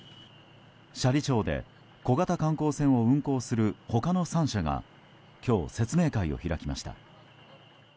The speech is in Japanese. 斜里町で小型観光船を運航する他の３社が今日、説明会を開きました。